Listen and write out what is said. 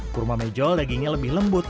kurma mejol dagingnya lebih lembut